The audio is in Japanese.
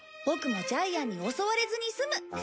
ボクもジャイアンに襲われずに済む。